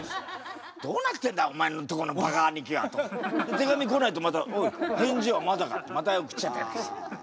手紙来ないとまた「おい返事はまだか」ってまた送っちゃったりなんかして。